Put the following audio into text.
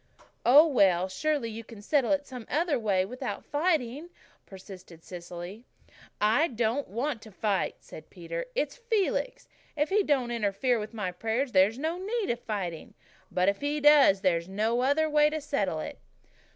"Oh, well, surely you can settle it some way without fighting," persisted Cecily. "I'm not wanting to fight," said Peter. "It's Felix. If he don't interfere with my prayers there's no need of fighting. But if he does there's no other way to settle it."